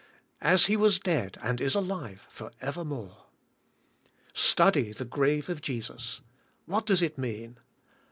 "As He was dead, and is alive, for evermore." Study the grave of Jesus. What does it mean?